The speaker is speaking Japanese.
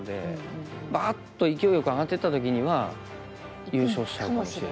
バーッと勢いよく上がっていった時には優勝しちゃうかもしれない。